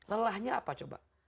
lelahnya apa coba